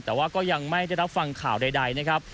แต่ว่าก็ยังไม่ได้รับฟังข่าวใดนะครับ